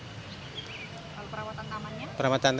kalau perawatan tamannya